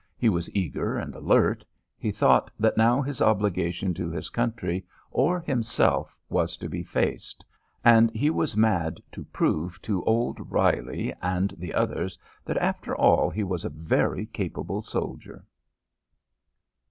He was eager and alert; he thought that now his obligation to his country, or himself, was to be faced, and he was mad to prove to old Reilly and the others that after all he was a very capable soldier.